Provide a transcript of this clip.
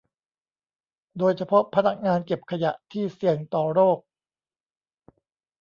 โดยเฉพาะพนักงานเก็บขยะที่เสี่ยงต่อโรค